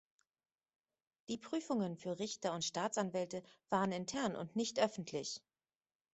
Die Prüfungen für Richter und Staatsanwälte waren intern und nicht öffentlich.